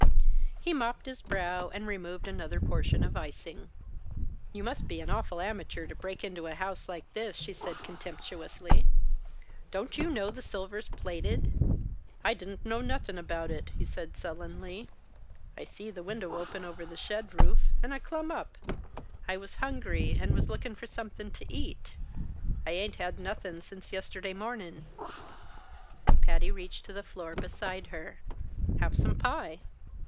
He mopped his brow and removed another portion of icing. "You must be an awful amateur to break into a house like this," she said contemptuously. "Don't you know the silver's plated?" "I didn't know nuthin' about it," he said sullenly. "I see the window open over the shed roof and I clum up. I was hungry and was lookin' for somethin' to eat. I ain't had nothin' since yesterday mornin'." Patty reached to the floor beside her. "Have some pie."